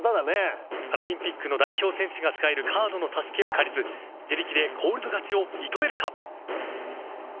パラリンピックの代表選手が使えるカードの助けを借りず自力でコールド勝ちを射止めるか！？